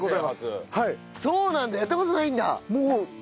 そうなんだやった事ないんだ。